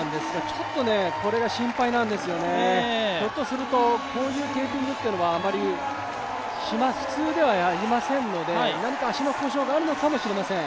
ちょっとこれが心配なんですよね、ひょっとすると、こういうテーピングはあまり普通ではやりませんので、何か足の故障があるのかもしれません。